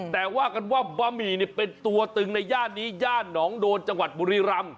แต่ว่ากันว่าบะหมี่เป็นตัวตึงในย่านนี้ย่านหนองโดนจังหวัดบุรีรำ